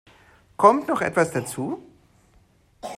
Kommt noch etwas dazu?